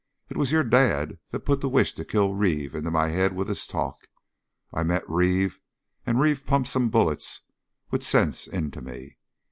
It was your dad that put the wish to kill Reeve into my head with his talk. I met Reeve, and Reeve pumped some bullets with sense into me.